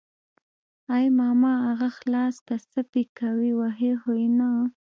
ای ماما اغه خلاص که څه پې کوي وهي خو يې نه.